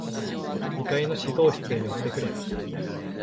二階の指導室へ寄ってくれ。